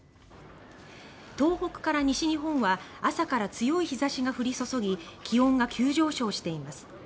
東北から西日本は朝から強い日差しが降り注ぎ気温が急上昇しています。